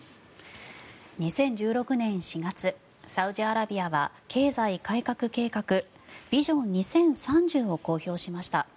２０１６年４月サウジアラビアは経済改革計画ビジョン２０３０を公表しました。